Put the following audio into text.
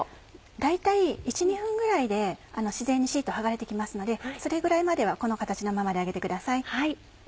大体１２分ぐらいで自然にシート剥がれて来ますのでそれぐらいまではこの形のままで揚げてください。